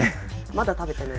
まだ食べてない。